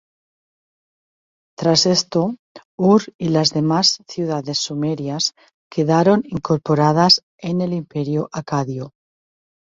Tras esto Ur y las demás ciudades sumerias quedaron incorporadas en el Imperio acadio.